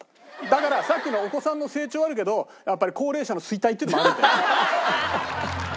だからさっきのお子さんの成長はあるけどやっぱり高齢者の衰退っていうのもあるんだよ。